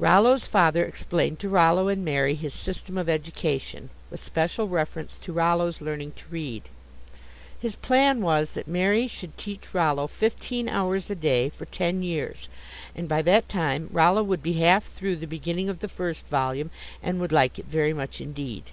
Rollo's father explained to Rollo and Mary his system of education, with special reference to Rollo's learning to read. His plan was that Mary should teach Rollo fifteen hours a day for ten years, and by that time Rollo would be half through the beginning of the first volume, and would like it very much indeed.